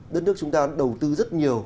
đất nước chúng ta đã đầu tư rất nhiều